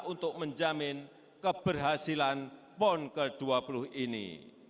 untuk menjamin keberhasilan pon ke dua puluh ini